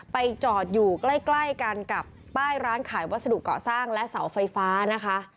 ไปจอดอยู่ใกล้กันกับป้ายร้านขายวัสดุเกาะสร้างและเสาไฟฟ้านะคะ